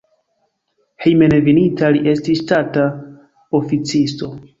Hejmenveninta li estis ŝtata oficisto.